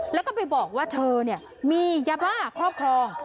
แล้วก็ไปบอกว่าเธอมียาบ้าครอบครอง